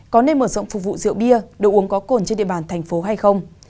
có nên mở rộng phục vụ rượu bia đồ uống có cồn trên địa bàn thành phố hay không